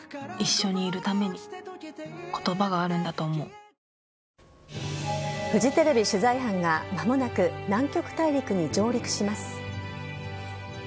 大豆麺キッコーマンフジテレビ取材班が間もなく南極大陸に上陸します。